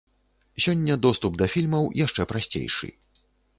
Сёння доступ да фільмаў яшчэ прасцейшы.